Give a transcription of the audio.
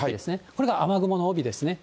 これが雨雲の帯ですね。